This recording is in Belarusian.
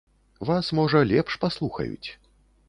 Вас, можа, лепш паслухаюць.